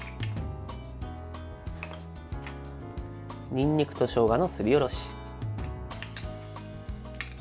にんにくとしょうがのすりおろし。